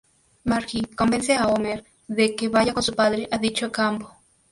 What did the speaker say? Marge convence a Homer de que vaya con su padre a dicho campo.